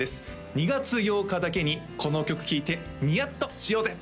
２月８日だけにこの曲聴いてニヤッとしようぜ！